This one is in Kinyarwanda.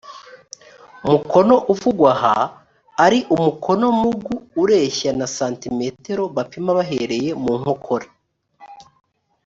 mukono uvugwa aha ari umukono mugu ureshya na santimetero bapima bahereye ku nkokora